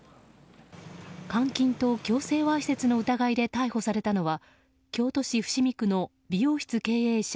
監禁と強制わいせつの疑いで逮捕されたのは京都市伏見区の美容室経営者